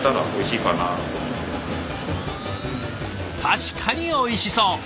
確かにおいしそう！